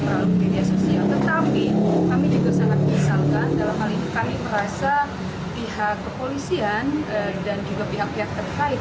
tetapi kami juga sangat mengisalkan dalam hal ini kami merasa pihak kepolisian dan juga pihak pihak terkait